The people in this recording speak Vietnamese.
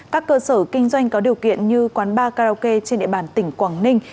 các cơ sở kinh doanh có điều kiện như quán bar karaoke trên địa bàn tỉnh quảng ninh